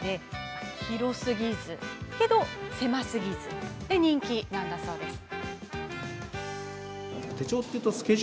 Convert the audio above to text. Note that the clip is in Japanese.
広すぎず、けど狭すぎずで人気なんだそうです。